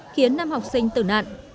khiến năm học sinh tử nạn